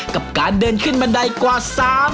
กับการเดินขึ้นบันไดกว่า๓๐๐คัน